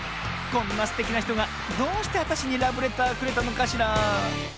こんなすてきなひとがどうしてあたしにラブレターくれたのかしら